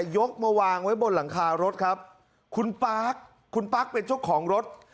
ยกมาวางไว้บนหลังคารถครับคุณปาร์คคุณปาร์คเป็นเจ้าของรถ